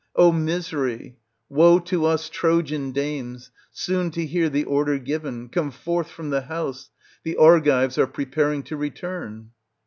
O misery ! woe to us Trojan dames, soon to hear the order given, "Come forth from the house; the Argives are preparing to return."